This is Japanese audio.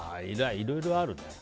いろいろあるね。